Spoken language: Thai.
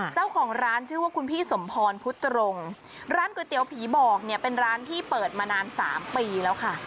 เจ้าของร้านชื่อว่าคุณพี่สมพรพุตรงร้านก๋วยเตี๋ยวผีบอกเนี่ยเป็นร้านที่เปิดมานานสามปีแล้วค่ะ